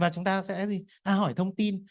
chúng ta sẽ hỏi thông tin